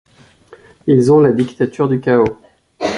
Ils ont la dictature du chaos.